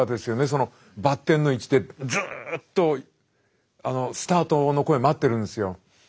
そのバッテンの位置でずっとスタートの声待ってるんですよ。